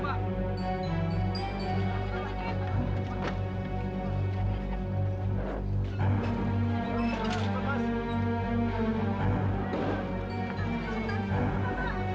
ya udah kita bisa